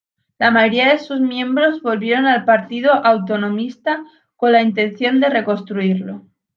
La mayoría de sus miembros volvieron al Partido Autonomista con la intención de reconstruirlo.